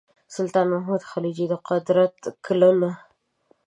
سلطان محمود خلجي د قدرت کلونه.